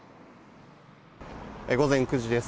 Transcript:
午前９時です。